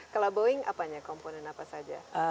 kalau boeing apanya komponen apa saja